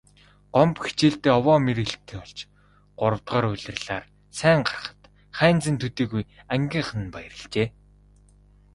Гомбо хичээлдээ овоо мэрийлттэй болж гуравдугаар улирлаар сайн гарахад Хайнзан төдийгүй ангийнхан нь баярлажээ.